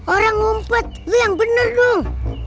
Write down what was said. orang ngumpet itu yang bener dong